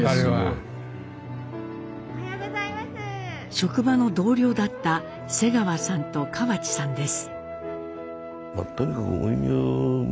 職場の同僚だった瀬川さんと川地さんです。